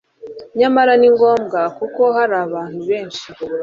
nyamara ni ngombwa, kuko hari abantu benshi